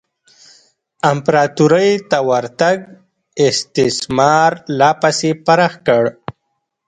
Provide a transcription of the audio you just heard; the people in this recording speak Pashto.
امپراتورۍ ته ورتګ استثمار لا پسې پراخ کړ.